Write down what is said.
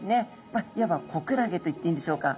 まあいわば子クラゲといっていいんでしょうか。